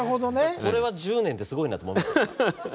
これは１０年ってすごいなと思いました。